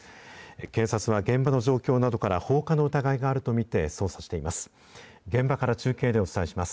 警察は現場の状況などから、放火の疑いがあると見て捜査しています。